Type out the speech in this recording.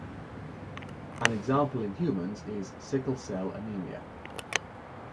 An example in humans is sickle cell anemia.